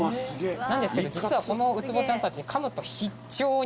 なんですけど実はこのウツボちゃんたち。